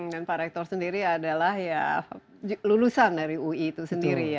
dan pak rektor sendiri adalah ya lulusan dari ui itu sendiri ya